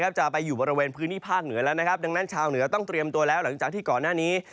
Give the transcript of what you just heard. จะไปอยู่บริเวณพื้นที่ภาคเหนือแล้วนะครับดังนั้นชาวเหนือต้องเตรียมตัวแล้วหลังจากที่ก่อนหน้านี้